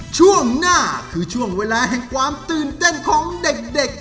ช่วงหน้าคือช่วงเวลาแห่งความตื่นเต้นของเด็ก